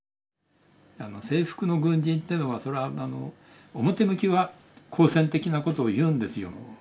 制服の軍人っていうのは表向きは好戦的なことを言うんですよ。